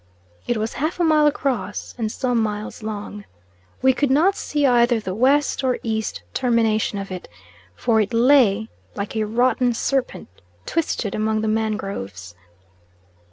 It was half a mile across, and some miles long. We could not see either the west or east termination of it, for it lay like a rotten serpent twisted between the mangroves.